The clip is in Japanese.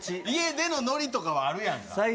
家でのノリとかはあるやんか。